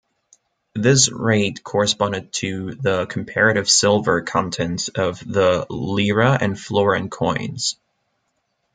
This rate corresponded to the comparative silver contents of the lira and florin coins.